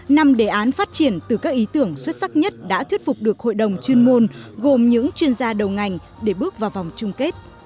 năm hai nghìn một mươi tám năm đề án phát triển từ các ý tưởng xuất sắc nhất đã thuyết phục được hội đồng chuyên môn gồm những chuyên gia đầu ngành để bước vào vòng chung kết